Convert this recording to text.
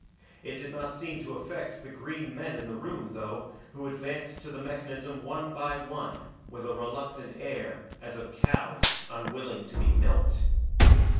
It did not seem to affect the green men in the room, though, who advanced to the mechanism one by one with a reluctant air as of cows unwilling to be milked.